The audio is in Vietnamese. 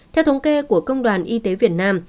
theo thống kê của công đoàn y tế việt nam